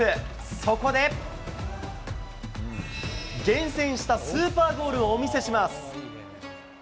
そこで、厳選したスーパーゴールをお見せします。